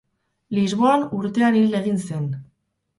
Lisboan urtean hil egin zen.